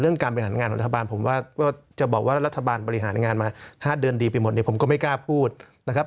การบริหารงานของรัฐบาลผมว่าจะบอกว่ารัฐบาลบริหารงานมา๕เดือนดีไปหมดเนี่ยผมก็ไม่กล้าพูดนะครับ